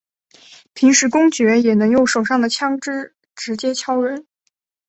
平时公爵也能用手上的枪枝直接敲人。